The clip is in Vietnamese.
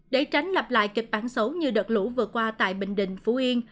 để tránh lặp lại kịch bản xấu như đợt lũ vừa qua tại bình đình phú yên